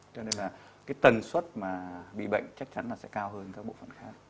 cho nên là tần suất bị bệnh chắc chắn là sẽ cao hơn các bộ phận khác